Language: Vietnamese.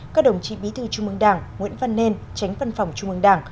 các đồng chí bí thư trung mương đảng nguyễn văn nên tránh văn phòng trung mương đảng